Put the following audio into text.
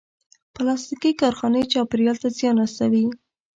پلاستيکي کارخانې چاپېریال ته زیان رسوي.